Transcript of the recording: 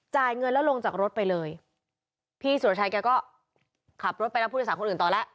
เงินแล้วลงจากรถไปเลยพี่สุรชัยแกก็ขับรถไปรับผู้โดยสารคนอื่นต่อแล้ว